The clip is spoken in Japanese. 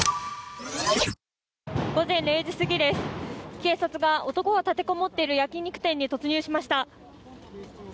午前０時すぎです、警察が男が立てこもっている焼き肉店に突入しました。